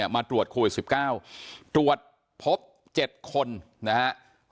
มาตรวจโควิด๑๙ตรวจพบ๗คนนะครับ